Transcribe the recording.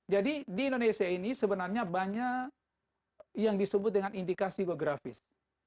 jadi di indonesia ini sebenarnya banyak yang disebut dengan indikasi geografis